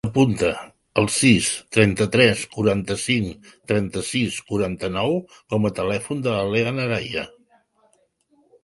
Apunta el sis, trenta-tres, quaranta-cinc, trenta-sis, quaranta-nou com a telèfon de la Leah Araya.